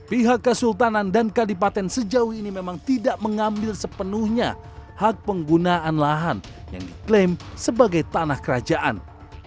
pihak kesultanan dan kadipaten sejauh ini memang tidak mengambil sepenuhnya hak penggunaan lahan yang diklaim sebagai tanah kerajaan